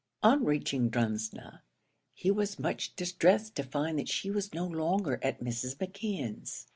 On reaching Drumsna he was much distressed to find that she was no longer at Mrs. McKeon's.